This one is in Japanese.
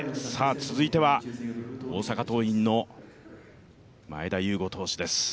続いては、大阪桐蔭の前田悠伍投手です。